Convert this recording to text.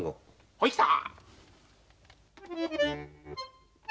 ほい来た！